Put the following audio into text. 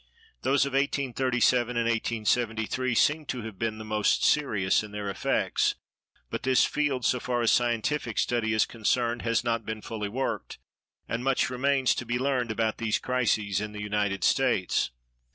Those of 1837 and 1873 seem to have been the most serious in their effects; but this field, so far as scientific study is concerned, has not been fully worked, and much remains to be learned about these crises in the United States.